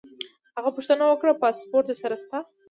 هغه پوښتنه وکړه: پاسپورټ در سره شته؟